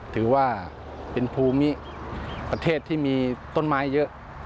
ถือว่าเป็นภูมิประเทศที่มีต้นไม้เยอะ